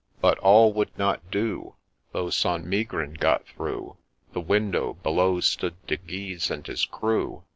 But all would not do, — Though St. Megrin got through The window, — below stood De Guise and his crew.